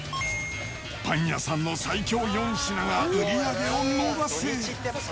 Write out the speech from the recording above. パン屋さんの最強４品が売り上げを伸ばす。